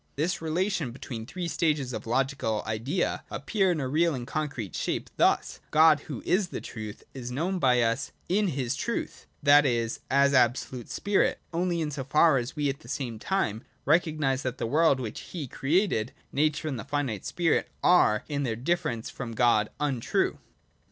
This relation be tween the three stages of the logical Idea appears in a real and concrete shape thus : God, who is the truth, is known by us in his truth, that is, as absolute spirit, only in so far as we at the same time recognise that the world which He created, nature and the finite spirit, are, in their difference from God, untrue.